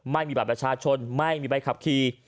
ไม่มีบัตรประชาชนไม่มีใบขับขี่